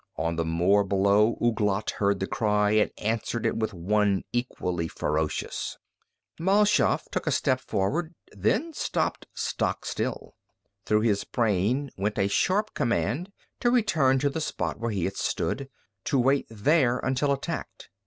On the moor below Ouglat heard the cry and answered it with one equally ferocious. Mal Shaff took a step forward, then stopped stock still. Through his brain went a sharp command to return to the spot where he had stood, to wait there until attacked.